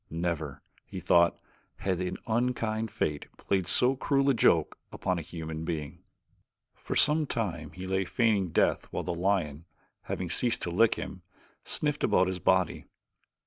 Never, he thought, had an unkind fate played so cruel a joke upon a human being. For some time he lay feigning death while the lion, having ceased to lick him, sniffed about his body.